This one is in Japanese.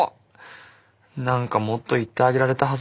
何かもっと言ってあげられたはずなのに。